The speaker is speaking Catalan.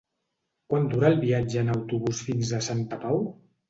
Quant dura el viatge en autobús fins a Santa Pau?